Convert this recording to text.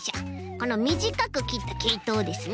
このみじかくきったけいとをですね